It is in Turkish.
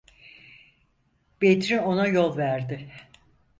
Bedri ona yol verdi.